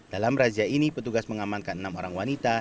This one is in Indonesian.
dalam razia ini petugas mengamankan enam orang wanita